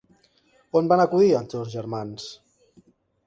On van acudir els dos germans?